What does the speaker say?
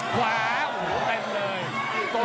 ขวาอุ้วเต็มเลย